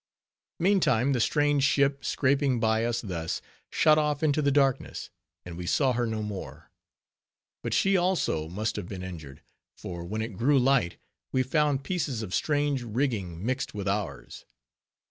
Meantime, the strange ship, scraping by us thus, shot off into the darkness, and we saw her no more. But she, also, must have been injured; for when it grew light, we found pieces of strange rigging mixed with ours.